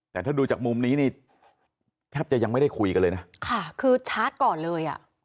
แต่ถ้าดูจากมุมนี้นี่แทบจะยังไม่ได้คุยกันเลยนะค่ะคือชาร์จก่อนเลยอ่ะ